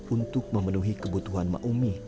untuk memenuhi kebutuhan maumi